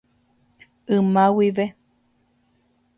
Yma guive.